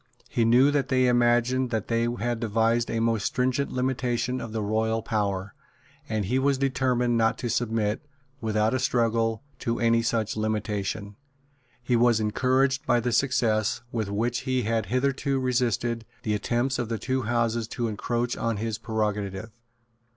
He knew that they imagined that they had devised a most stringent limitation of the royal power; and he was determined not to submit, without a struggle, to any such limitation. He was encouraged by the success with which he had hitherto resisted the attempts of the two Houses to encroach on his prerogative.